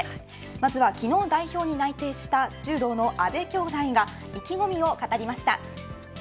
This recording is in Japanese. まずは昨日、代表に内定した柔道の阿部きょうだいが意気込みを語りました。